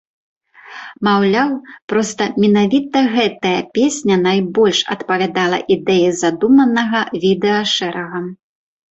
Маўляў, проста менавіта гэтая песня найбольш адпавядала ідэі задуманага відэашэрага.